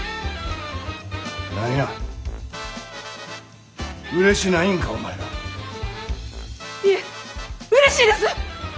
何やうれしないんかお前ら。いえうれしいです！